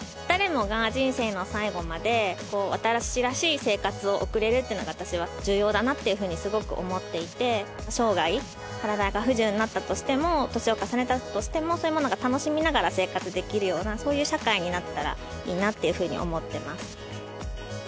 誰もが人生の最期まで私らしい生活を送れるっていうのが私は重要だなっていうふうにすごく思っていて生涯体が不自由になったとしても年を重ねたとしてもそういうものが楽しみながら生活できるようなそういう社会になったらいいなっていうふうに思ってます